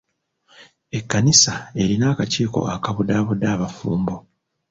Ekkanisa erina akakiiko akabudaabuda abafumbo.